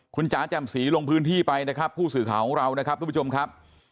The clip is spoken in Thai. คุณจ๋าแจ่มสีลงพื้นที่ไปนะครับผู้สื่อข่าวของเรานะครับทุกผู้ชมครับ